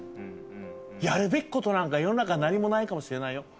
やるべき事なんか世の中何もないかもしれないよ。